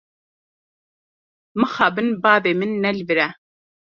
Mixabin bavê min ne li vir e.